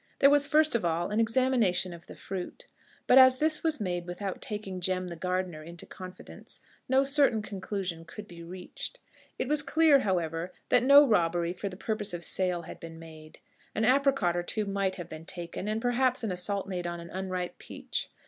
There was first of all an examination of the fruit; but as this was made without taking Jem the gardener into confidence, no certain conclusion could be reached. It was clear, however, that no robbery for the purpose of sale had been made. An apricot or two might have been taken, and perhaps an assault made on an unripe peach.